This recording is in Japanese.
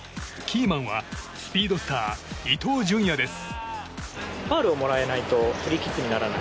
キーマンはスピードスター伊東純也です。